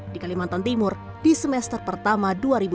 di kalimantan timur di semester pertama dua ribu dua puluh